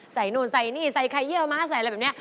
ใส่นู่นใส่นี่ใส่ไข่เยี่ยวม้าใส่อะไรแบบนี้